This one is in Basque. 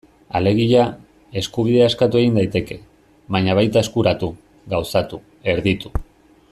Alegia, eskubidea eskatu egin daiteke, baina baita eskuratu, gauzatu, erditu...